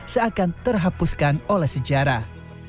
seakan terhapuskan oleh sejarah